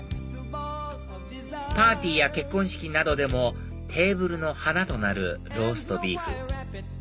パーティーや結婚式などでもテーブルの華となるローストビーフ